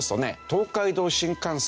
東海道新幹線